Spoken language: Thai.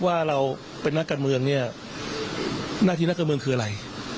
ว่าเราเป็นนักการเมืองเนี่ยหน้าที่นักการเมืองคืออะไร